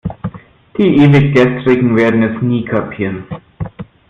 Die Ewiggestrigen werden es nie kapieren.